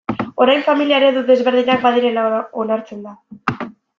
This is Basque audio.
Orain familia eredu desberdinak badirela onartzen da.